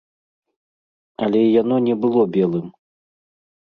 Але яно не было белым.